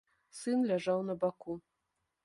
Сын ляжаў на баку.